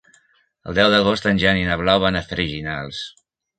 El deu d'agost en Jan i na Blau van a Freginals.